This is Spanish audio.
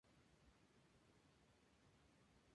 Agatocles murió junto con su mujer y su hijo.